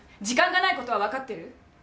時間がないことはわかってる？